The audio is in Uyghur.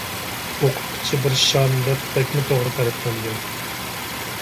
«ئوقۇتقۇچى بىر شام» دەپ بەكمۇ توغرا تەرىپلەنگەن.